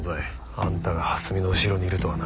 あんたが蓮見の後ろにいるとはな。